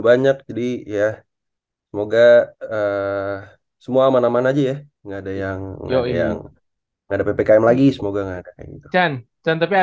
banyak jadi ya semoga semua aman aman aja ya enggak ada yang ih ada ppkm lagi semoga gak ada